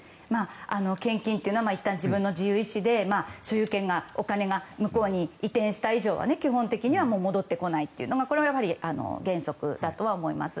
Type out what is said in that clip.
献金というのはいったん自分の自由意思で所有権、お金が向こうに移転した以上は基本的には戻ってこないというのが原則だと思います。